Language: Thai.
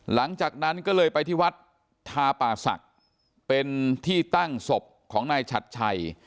หลังจากนั้นก็เลยไปที่วัดทาป่าศักดิ์เป็นที่ตั้งศพของนายฉัดชัย